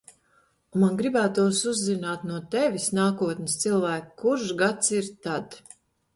Un man gribētos uzzināt no tevis, nākotnes cilvēk, kurš gads ir tad.